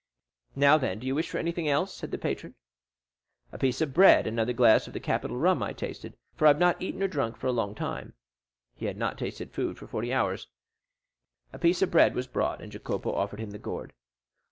"Now, then, do you wish for anything else?" said the patron. "A piece of bread and another glass of the capital rum I tasted, for I have not eaten or drunk for a long time." He had not tasted food for forty hours. A piece of bread was brought, and Jacopo offered him the gourd.